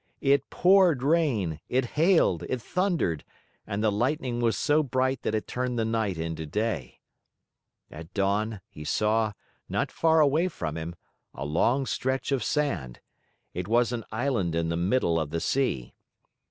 It poured rain, it hailed, it thundered, and the lightning was so bright that it turned the night into day. At dawn, he saw, not far away from him, a long stretch of sand. It was an island in the middle of the sea.